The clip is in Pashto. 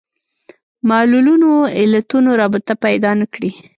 معلولونو علتونو رابطه پیدا نه کړي